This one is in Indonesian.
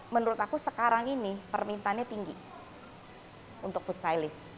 menurut aku sekarang ini permintaannya tinggi untuk food stylist